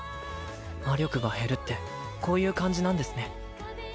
魔力が減るってこういう感じなんですね